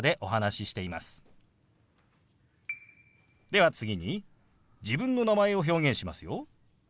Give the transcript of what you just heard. では次に自分の名前を表現しますよ。